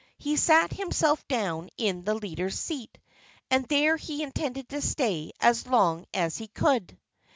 He sat himself down in the leader's seat. And there he intended to stay as long as he could.